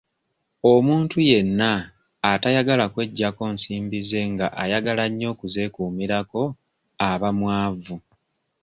Omuntu yenna atayagala kweggyako nsimbi ze nga ayagala nnyo okuzeekuumirako aba mwavu.